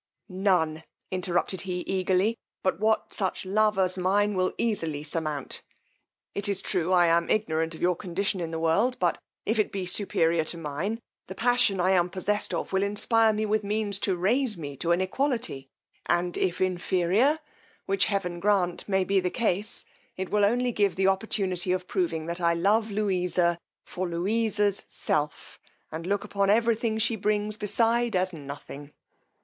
None, interrupted he eagerly, but what such love as mine will easily surmount: it is true, I am ignorant of your condition in the world; but if it be superior to mine, the passion I am possessed of will inspire me with means to raise me to an equality; and if inferior, which heaven grant may be the case, it will only give the opportunity of proving that I love Louisa for Louisa's self, and look upon every thing she brings beside as nothing.